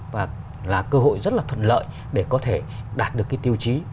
và là cơ hội rất là thuận lợi để có thể đạt được cái tiêu chí